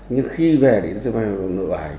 nhưng khi về thì chúng tôi phát hiện không có thẻ gì